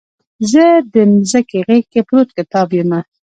زه دمځکې غیږ کې پروت کتاب یمه